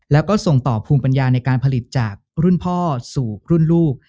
แล้วก็ส่งต่อภูมิปัญญาในการผลิตจากรุ่นพ่อสู่รุ่นลูก